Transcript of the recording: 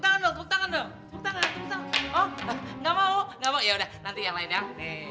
pak badut kok suratnya diulang ulang seh